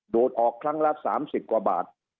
ดูดออกครั้งละ๓๐กว่าบาท